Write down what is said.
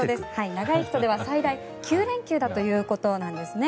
長い人では最大９連休だということなんですね。